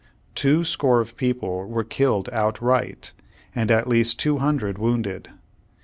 Two score of people v/ere killed outright, and at least two hundred wounded.